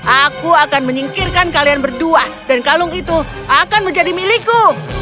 aku akan menyingkirkan kalian berdua dan kalung itu akan menjadi milikku